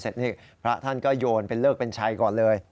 เสร็จนี่พระท่านก็โยนเป็นเลิกเป็นชัยก่อนเลย